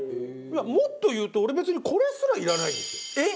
もっと言うと俺別にこれすらいらないんですよ。